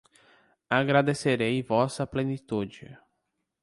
Agradecerei vossa plenitude